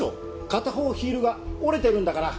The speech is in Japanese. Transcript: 片方ヒールが折れてるんだから。